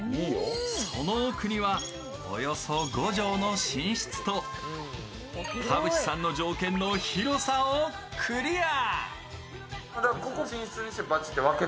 その奥にはおよそ５畳の寝室と田渕さんの条件の広さをクリア。